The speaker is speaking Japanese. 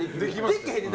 できへんねん。